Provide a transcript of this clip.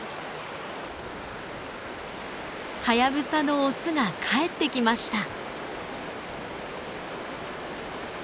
ハヤブサのオスが帰ってきました。